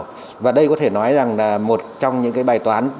chúng tôi có thể nói rằng là một trong những cái bài toán